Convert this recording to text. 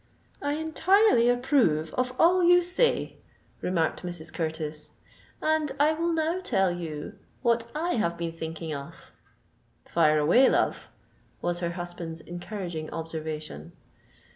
"I entirely approve of all you say," remarked Mrs. Curtis; "and I will now tell you what I have been thinking of." "Fire away, love," was her husband's encouraging observation.